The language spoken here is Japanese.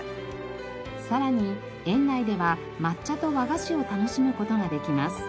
さらに園内では抹茶と和菓子を楽しむ事ができます。